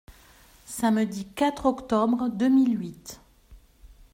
Samedi quatre octobre deux mille huit.